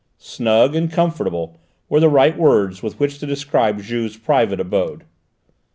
"Snug" and "comfortable" were the right words with which to describe Juve's private abode.